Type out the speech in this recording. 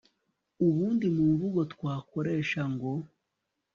ubundi mu mvugo twakoresha ngo